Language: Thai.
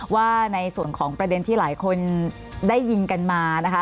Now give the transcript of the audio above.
ว่าในส่วนของประเด็นที่หลายคนได้ยินกันมานะคะ